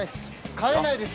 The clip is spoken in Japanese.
買えないです。